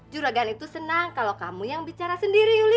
juragan itu senang kalau kamu yang bicara sendiri yuli